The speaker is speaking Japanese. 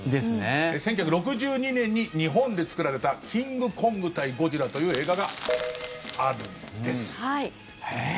１９６２年に日本で作られた「キングコング対ゴジラ」という映画があるんです。